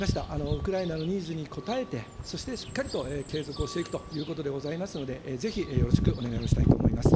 ウクライナのニーズに応えて、そしてしっかりと継続をしていくということでございますので、ぜひよろしくお願いをしたいと思います。